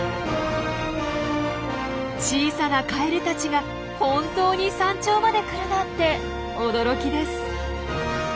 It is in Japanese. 小さなカエルたちが本当に山頂まで来るなんて驚きです。